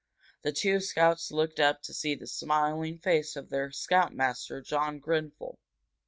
The two scouts looked up to see the smiling face of their scoutmaster, John Grenfel.